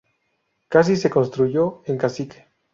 Casi se constituyó en cacique.